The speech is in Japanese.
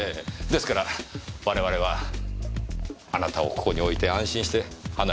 ですから我々はあなたをここに置いて安心して離れる事が出来ます。